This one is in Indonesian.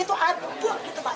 itu air buah gitu pak